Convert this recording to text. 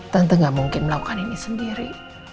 tante gak mungkin melakukan ini sendiri